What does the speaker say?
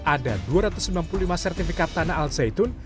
ada dua ratus sembilan puluh lima sertifikat tanah al zaitun